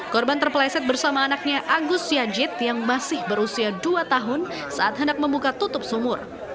korban terpleset bersama anaknya agus yajit yang masih berusia dua tahun saat hendak membuka tutup sumur